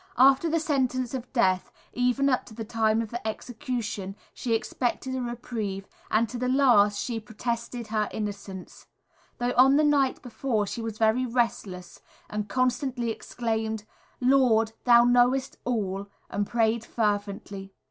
After the sentence of death, even up to the time of the execution, she expected a reprieve, and to the last she protested her innocence; though on the night before she was very restless and constantly exclaimed, "Lord! Thou knowest all," and prayed fervently.